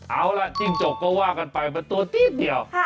เอาล่ะจิ้งจกก็ว่ากันไปมันตัวนิดเดียว